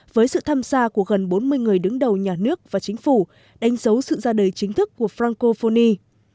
với sự tham gia của gần bốn mươi người đứng đầu nhà nước và chính phủ đánh dấu sự ra đời chính thức của francophoni